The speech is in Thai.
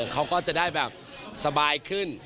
เขาก็จะได้แบบสบายขึ้น